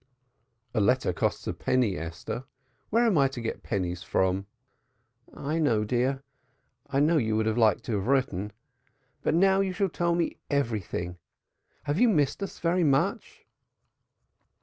"A letter costs a penny, Esther. Where am I to get pennies from?" "I know, dear. I know you would have liked to write. But now you shall tell me everything. Have you missed us very much?"